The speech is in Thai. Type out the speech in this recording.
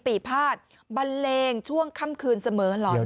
ปีพาดบัลเลงช่วงค่ำคืนเสมอ